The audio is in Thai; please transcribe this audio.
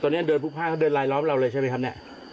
ตอนนี้เดินพลุกพลาดเขาเดินลายล้อมเราเลยใช่ไหมครับเนี่ย